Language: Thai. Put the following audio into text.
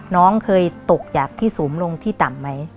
น้องเคยตกจากที่สูงลงที่ต่ำไหม